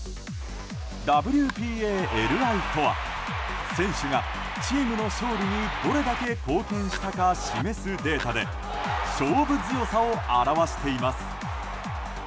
ＷＰＡ／ＬＩとは選手が、チームの勝利にどれだけ貢献したか示すデータで勝負強さを表しています。